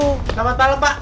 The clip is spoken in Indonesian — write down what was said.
selamat malem pak